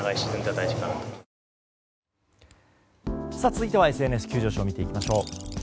続いてはＳＮＳ急上昇見ていきましょう。